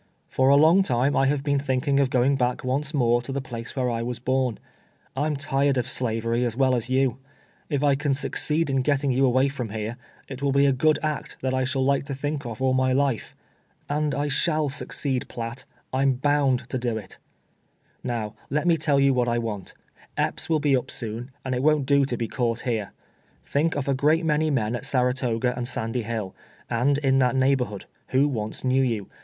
For a long time I have been thinking of going back once more to the place Avhere I was born. I'm tired of Slavery as well as you. If I can succeed in getting you away from here, it will be a good act that I shall like to think of all my life. And I shall succeed. 2S2 * TWELVE TEAE3 A SLAVE. riatt ; I'm hound to do it. Xow let me tell you what I want. Epps will be up soon, and it won't do to be cauii'lit here. Think of a <;reat many men at Sarato ga and Sandy Hill, and in that neighborhood, who once knew you.